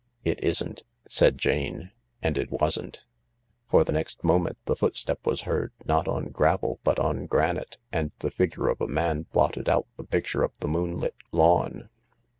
"It isn't," said Jane. And it wasn't. For the next moment the footstep was heard, not on gravel, but on granite, and the figure of a man blotted out the picture of the moon lit lawn.